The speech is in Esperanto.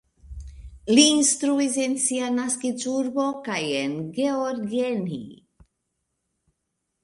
Li instruis en sia naskiĝurbo kaj en Gheorgheni.